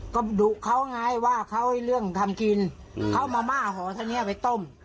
ก็ดุเขาไงว่าเขาเรื่องทำกินเขามาม่าหอเท่านี้ไปต้ม